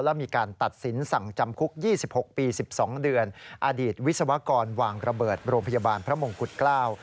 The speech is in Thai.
และมีการตัดสินสั่งจำคุกยี่สิบหกปี๑๒เดือนอดีตวิศวกรวางระเบิดโรงพยาบาลพระมงกุฎเกล้า